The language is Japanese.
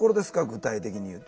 具体的に言うと。